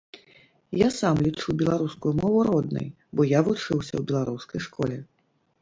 Я сам лічу беларускую мову роднай, бо я вучыўся ў беларускай школе.